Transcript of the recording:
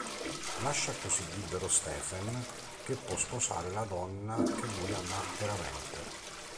Lascia così libero Stephen che può sposare la donna che lui ama veramente.